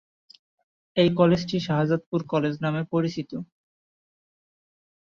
এই কলেজটি "শাহজাদপুর কলেজ" নামে পরিচিত।